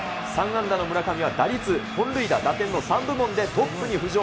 ３安打の村上は打率、本塁打、打点の３部門でトップに浮上。